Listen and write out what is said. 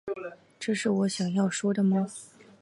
这是我想要说的吗